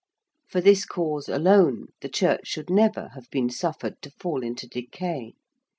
For this cause alone the church should never have been suffered to fall into decay.